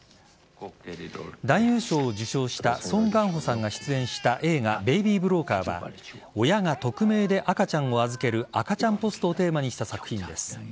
男優賞を受賞したソン・ガンホさんが出演した映画「ベイビー・ブローカー」は親が匿名で赤ちゃんを預ける赤ちゃんポストをテーマにした作品です。